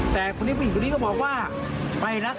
แต่ผมย้ำนะครับ